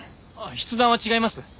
筆談は違います。